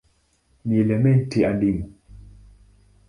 Ni elementi adimu.